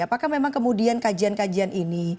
apakah memang kemudian kajian kajian ini